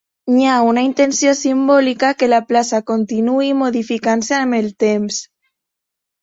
Hi ha una intenció simbòlica que la plaça continuï modificant-se amb el temps.